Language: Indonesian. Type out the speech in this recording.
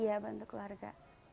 iya bantu keluarga